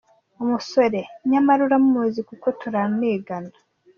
Umusore : Nyamara uramuzi kuko turanigana,.